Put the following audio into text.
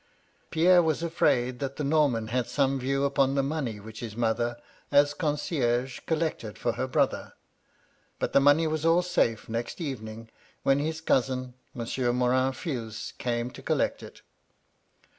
" Pierre was afraid that the Norman had some view upon the money which his mother, as conciferge, col lected for her brother. But the money was all safe next evening when his cousin. Monsieur Morin Fils, came to collect it.